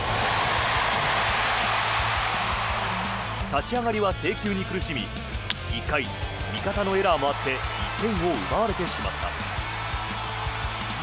立ち上がりは制球に苦しみ１回、味方のエラーもあって１点を奪われてしまった。